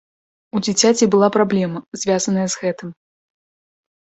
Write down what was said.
У дзіцяці была праблема, звязаная з гэтым.